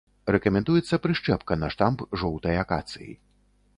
Рэкамендуецца прышчэпка на штамб жоўтай акацыі.